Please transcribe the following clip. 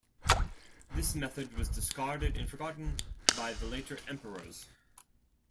This method was discarded and forgotten by the later Emperors.